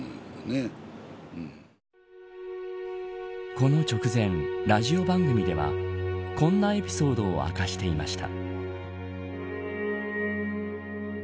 この直前、ラジオ番組ではこんなエピソードを明かしていました。